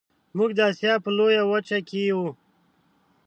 موږ د اسیا په لویه وچه کې یو